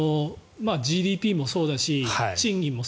ＧＤＰもそうだし賃金も